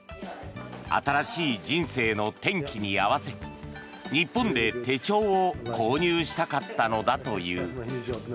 新しい人生の転機に合わせ日本で手帳を購入したかったのだという。